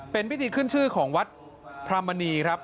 เป็นพิธีขึ้นชื่อของวัดพระมณีครับ